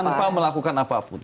tanpa melakukan apa apa